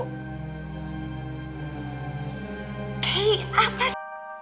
kek apa s